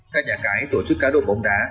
các nhà cái tổ chức cá độ bóng đá